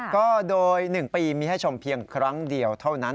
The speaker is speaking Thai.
ก็โดย๑ปีมีให้ชมเพียงครั้งเดียวเท่านั้น